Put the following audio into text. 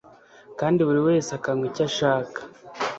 kandi buri wese akanywa icyo ashaka.